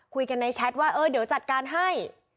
คุยกันในแชทว่าเออเดี๋ยวจัดการให้